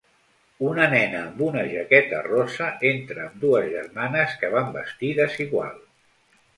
Una nena amb una jaqueta rosa entra amb dues germanes que van vestides igual.